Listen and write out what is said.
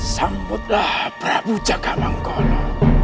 sambutlah prabu jakamanggola